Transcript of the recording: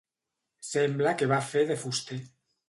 Sembla que va fer de fuster.